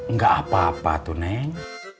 nggak apa apa tuh neng